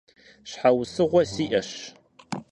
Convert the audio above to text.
Щхьэусыгъуэ сиӀэщ.